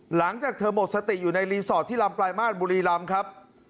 หลังจากเธอหมดสติอยู่ในรีสอร์ทที่ลำปลายมาตรบุรีรำครับ